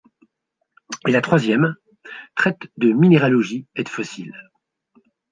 Et la troisième traite de minéralogie et de fossiles.